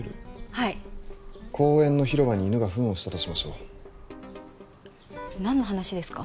はい公園の広場に犬がフンをしたとしましょう何の話ですか？